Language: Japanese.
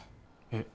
えっ？